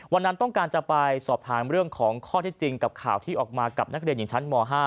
วันนั้นต้องการจะไปสอบถามเรื่องของข้อที่จริงกับข่าวที่ออกมากับนักเรียนหญิงชั้นม๕